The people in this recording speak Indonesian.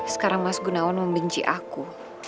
sekarang mas gunawan membenci aku